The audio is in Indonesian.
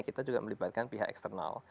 kita juga melibatkan pihak eksternal